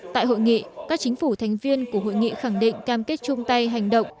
tại hội nghị các chính phủ thành viên của hội nghị khẳng định cam kết chung tay hành động